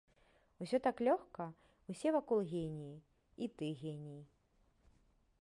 Усё так лёгка, усе вакол геніі, і ты геній.